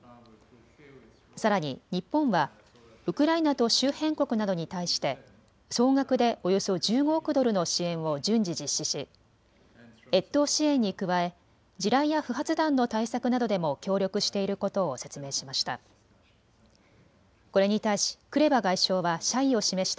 さらに日本はウクライナと周辺国などに対して総額でおよそ１５億ドルの支援を順次実施し越冬支援に加え地雷や不発弾の対策などでも協力していることを説明しました。